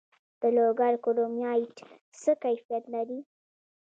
د لوګر کرومایټ څه کیفیت لري؟